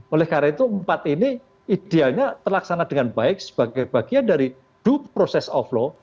oleh karena itu empat ini idealnya terlaksana dengan baik sebagai bagian dari doo process of law